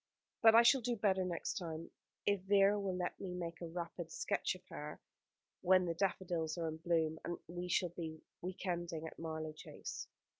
But I shall do better next time, if Vera will let me make a rapid sketch of her, when the daffodils are in bloom, and we shall be week ending at Marlow Chase.